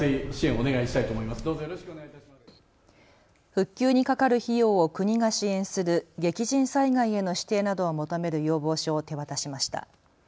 復旧にかかる費用を国が支援する激甚災害への指定などを求める要望書を手渡しました。